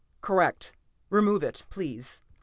"Correct. Remove it, please."